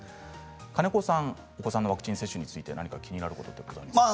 金子さん、お子さんのワクチン接種について何か気になることありますか？